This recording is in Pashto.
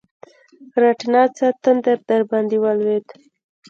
رټنه؛ څه تندر درباندې ولوېد؟!